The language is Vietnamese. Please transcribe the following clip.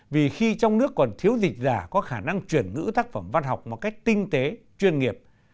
vì khi trong nước còn thiếu dịch giả có khả năng chuyển ngữ tác phẩm văn học một cách tinh tế chuyên nghiệp